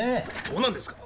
そうなんですか？